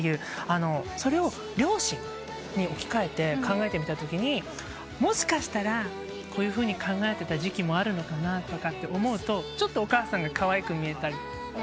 それを両親に置き換えて考えてみたときにもしかしたらこういうふうに考えてた時期もあるのかなって思うとちょっとお母さんがかわいく見えたり。